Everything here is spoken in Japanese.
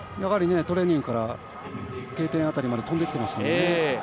トレーニングからＫ点辺りまで飛んできています。